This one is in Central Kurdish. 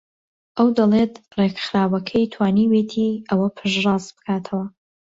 ئەو دەڵێت ڕێکخراوەکەی توانیویەتی ئەوە پشتڕاست بکاتەوە